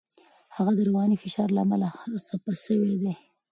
هغه د رواني فشار له امله خپه شوی دی.